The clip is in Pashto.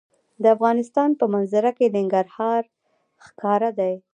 د افغانستان په منظره کې ننګرهار ښکاره ده.